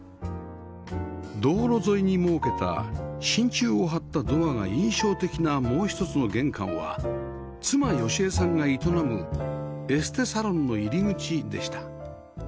道路沿いに設けた真鍮を張ったドアが印象的なもう一つの玄関は妻由恵さんが営むエステサロンの入り口でした